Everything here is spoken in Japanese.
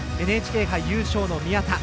ＮＨＫ杯優勝の宮田。